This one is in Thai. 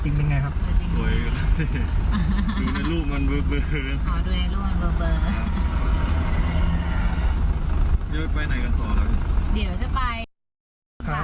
จริงอยู่ฟาร์มค่ะแล้วก็มาเชียงใหม่แบบว่ามาซื้อของอะไรอย่างนี้ครับ